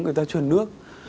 người ta truyền nước